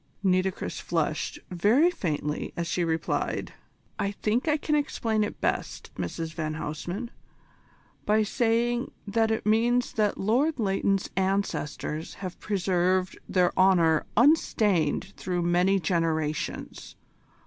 Nitocris flushed very faintly as she replied: "I think I can explain it best, Mrs van Huysman, by saying that it means that Lord Leighton's ancestors have preserved their honour unstained through many generations.